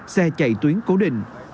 xe chạy tuyến cố định